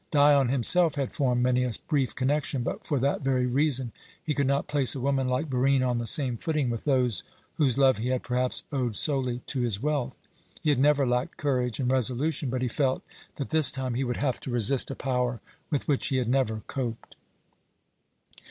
Dion himself had formed many a brief connection, but for that very reason he could not place a woman like Barine on the same footing with those whose love he had perhaps owed solely to his wealth. He had never lacked courage and resolution, but he felt that this time he would have to resist a power with which he had never coped.